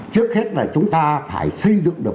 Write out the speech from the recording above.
trước hết là chúng ta phải xây dựng được